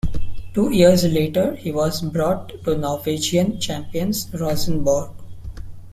Two years later he was brought to Norwegian champions Rosenborg.